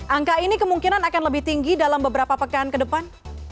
angka ini kemungkinan akan lebih tinggi dalam beberapa pekan ke depan